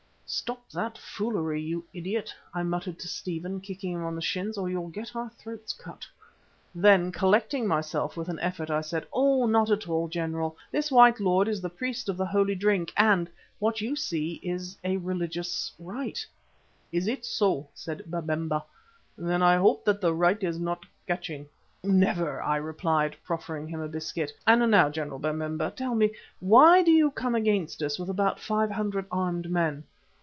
"Stop that foolery, you idiot," I muttered to Stephen, kicking him on the shins, "or you'll get our throats cut." Then, collecting myself with an effort, I said: "Oh! not at all, General. This white lord is the priest of the holy drink and what you see is a religious rite." "Is it so," said Babemba. "Then I hope that the rite is not catching." "Never," I replied, proffering him a biscuit. "And now, General Babemba, tell me, why do you come against us with about five hundred armed men?"